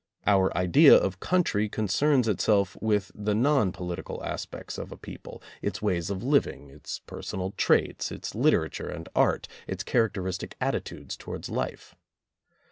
Our idea of Country concerns itself with the non political aspects of a people, its ways of living, its personal traits, its literature and art, its characteristic attitudes towards life.